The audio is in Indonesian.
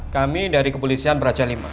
kami dari kepolisian praja lima